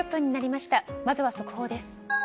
まずは速報です。